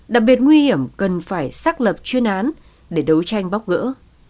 đặc biệt nguy hiểm cần phải xác lập chuyên án để đấu tranh bóc gỡ